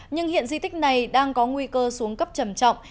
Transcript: nhưng hiện di tích này đang có nguy cơ xuống cấp trầm trọng